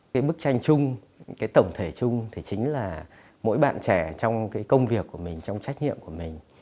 cái bức tranh chung cái tổng thể chung thì chính là mỗi bạn trẻ trong cái công việc của mình trong trách nhiệm của mình